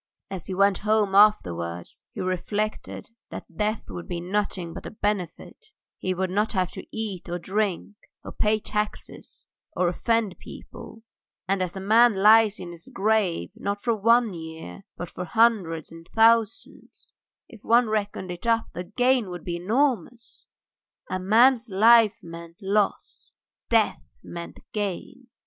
As he went home afterwards, he reflected that death would be nothing but a benefit; he would not have to eat or drink, or pay taxes or offend people, and, as a man lies in his grave not for one year but for hundreds and thousands, if one reckoned it up the gain would be enormous. A man's life meant loss: death meant gain.